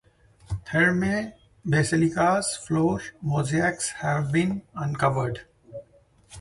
Thermae, basilicas, floor mosaics have been uncovered.